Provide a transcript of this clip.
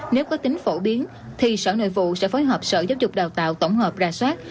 nếu có tính phổ biến thì sở nội vụ sẽ phối hợp sở giáo dục đào tạo tổng hợp rà soát